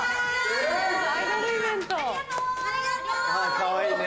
かわいいね。